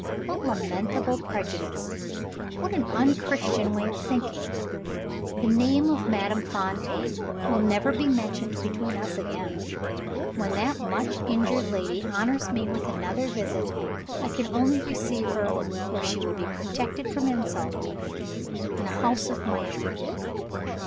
What lamentable prejudice! What an unchristian way of thinking! The name of Madame Fontaine will never be mentioned between us again. When that much injured lady honors me with another visit, I can only receive her where she will be protected from insult, in a house of my own."